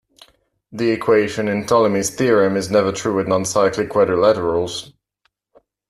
The equation in Ptolemy's theorem is never true with non-cyclic quadrilaterals.